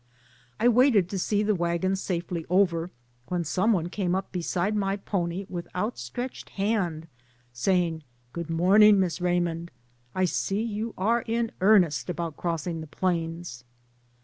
I waited to see the wagons safely over, when some one came beside my pony with outstretched hand saying, "Good morn ing, Miss Raymond, I see you are in earnest about crossing the plains."